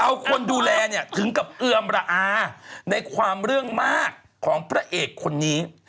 เอาคนดูแลเนี่ยถึงกับเอือมระอาในความเรื่องมากของพระเอกคนนี้